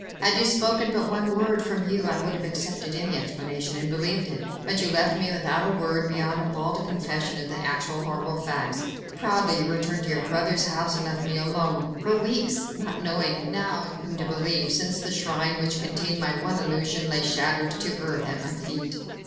Had you spoken but one word, from you I would have accepted any explanation and believed it. But you left me without a word, beyond a bald confession of the actual horrible facts; proudly you returned to your brother's house, and left me alone ... for weeks ... not knowing, now, in whom to believe, since the shrine, which contained my one illusion, lay shattered to earth at my feet."